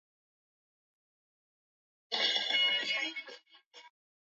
Jeshi la Jamhuri ya kidemokrasia ya Kongo linaishutumu Rwanda.